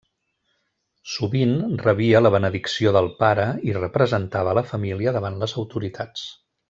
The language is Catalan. Sovint rebia la benedicció del pare i representava a la família davant les autoritats.